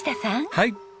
はい。